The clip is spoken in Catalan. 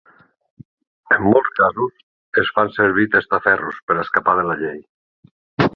En molts casos es fan servir testaferros per escapar de la llei.